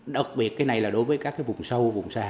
đặc biệt cái này là đối với các cái vùng sâu vùng xa